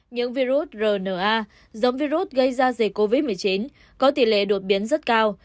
những virus rna giống virus gây ra dịch covid một mươi chín có tỷ lệ đột biến rất cao